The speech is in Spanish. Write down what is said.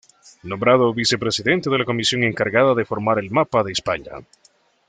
Nombrado vicepresidente de la comisión encargada de formar el Mapa de España.